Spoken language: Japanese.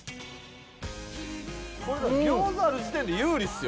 餃子ある時点で有利ですよ